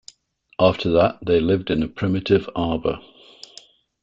After that, they lived in a primitive arbor.